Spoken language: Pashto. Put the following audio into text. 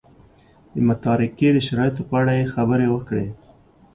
د متارکې د شرایطو په اړه یې خبرې وکړې.